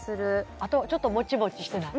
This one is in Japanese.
あとちょっとモチモチしてない？